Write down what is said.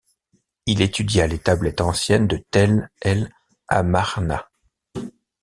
Il étudia les tablettes anciennes de Tell el-Amarna.